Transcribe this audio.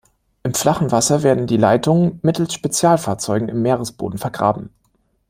Im flachen Wasser werden die Leitungen mittels Spezialfahrzeugen im Meeresboden vergraben.